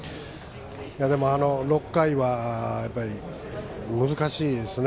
でも、６回は難しいですね。